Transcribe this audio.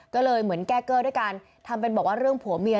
ก็เลยเหมือนแก้เกอร์ด้วยการทำเป็นบอกว่าเรื่องผัวเมีย